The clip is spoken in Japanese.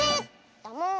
だもん。